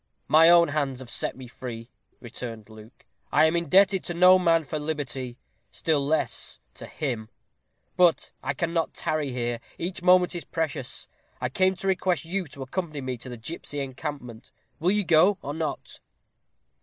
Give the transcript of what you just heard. "My own hands have set me free," returned Luke. "I am indebted to no man for liberty; still less to him. But I cannot tarry here; each moment is precious. I came to request you to accompany me to the gipsy encampment. Will you go, or not?"